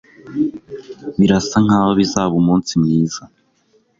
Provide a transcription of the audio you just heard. Birasa nkaho bizaba umunsi mwiza.